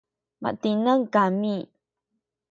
matineng kami